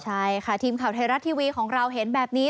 ใช่ค่ะทีมข่าวไทยรัฐทีวีของเราเห็นแบบนี้